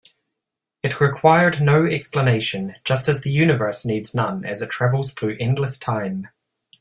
It required no explanation, just as the universe needs none as it travels through endless time.